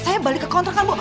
saya balik ke kontrakan bu